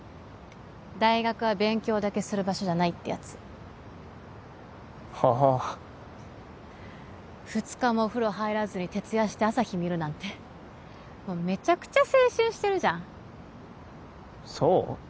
大学は勉強だけする場所じゃないってやつああ２日もお風呂入らずに徹夜して朝日見るなんてもうめちゃくちゃ青春してるじゃんそう？